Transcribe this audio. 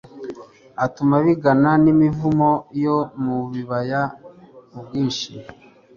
atuma bingana n'imivumu yo mu bibaya ubwinshi